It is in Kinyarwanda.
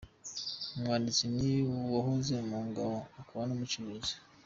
Umwanditsi ni uwahoze mu ngabo akaba n’umucuruzi.